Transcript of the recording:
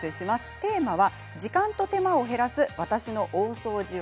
テーマは時間と手間を減らす私の大掃除技